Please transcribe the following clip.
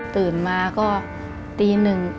ตื่นมาก็ตีหนึ่ง